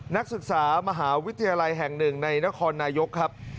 นักศึกษามหาวิทยาลัยแห่งหนึ่งในนครนายกครับ